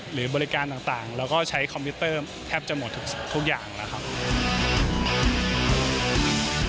หรือบริการต่างแล้วก็ใช้คอมพิวเตอร์แทบจะหมดทุกอย่างแล้วครับ